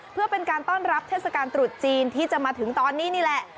เพื่อเป็นการต้อนรับเทศกาลตรุษจีนที่จะมาถึงตอนนี้นี่แหละ